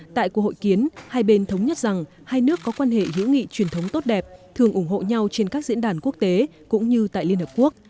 tại cuộc hội kiến hai bên thống nhất rằng hai nước có quan hệ hữu nghị truyền thống tốt đẹp thường ủng hộ nhau trên các diễn đàn quốc tế cũng như tại liên hợp quốc